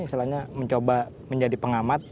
misalnya mencoba menjadi pengamat